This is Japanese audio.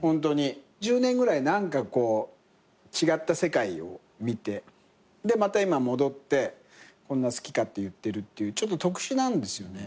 １０年ぐらい何かこう違った世界を見てでまた今戻ってこんな好き勝手言ってるっていうちょっと特殊なんですよね。